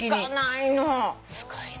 すごいね。